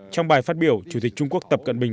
trong bài phát biểu chủ tịch trung quốc tập cận bình